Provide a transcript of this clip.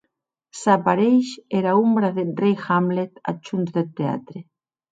S’apareish era ombra deth rei Hamlet ath hons deth teatre.